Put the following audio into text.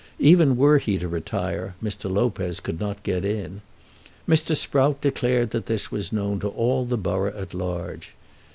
Even were he to retire Mr. Lopez could not get in. Mr. Sprout declared that this was known to all the borough at large.